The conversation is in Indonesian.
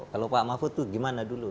kalau pak mahfud tuh gimana dulu